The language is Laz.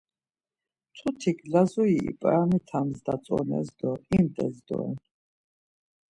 Mtutik Lazuri ip̌aramitams datzones do imt̆es doren.